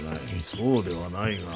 そうではないが。